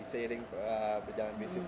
seiring berjalan bisnis